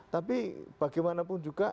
tapi bagaimanapun juga